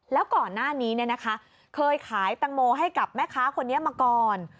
แล้วก่อนหน้านี้เคยขายตังโมให้กับแม่ค้าคนนี้มาก่อน